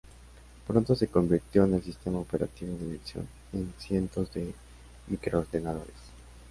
Pronto se convirtió en el sistema operativo de elección en cientos de micro-ordenadores.